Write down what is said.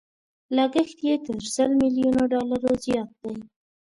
لګښت يې تر سل ميليونو ډالرو زيات دی.